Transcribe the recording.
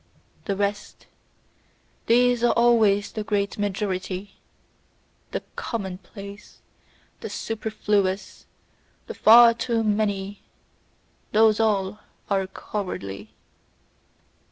The rest: these are always the great majority, the common place, the superfluous, the far too many those all are cowardly!